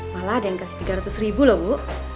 malah ada yang kasih tiga ratus ribu loh bu